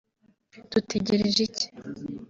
Dutegereje Iki